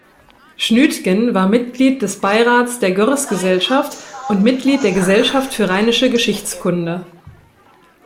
Schnütgen war Mitglied des Beirats der Görres-Gesellschaft und Mitglied der Gesellschaft für Rheinische Geschichtskunde.